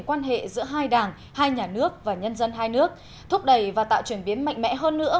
quan hệ giữa hai đảng hai nhà nước và nhân dân hai nước thúc đẩy và tạo chuyển biến mạnh mẽ hơn nữa